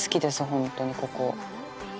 ホントにここ。